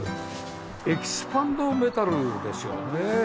エキスパンドメタルですよね。